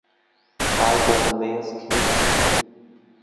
Karl Borromäus kniet.